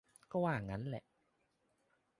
ก็ว่างั้นแหละ